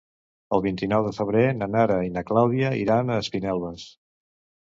El vint-i-nou de febrer na Nara i na Clàudia iran a Espinelves.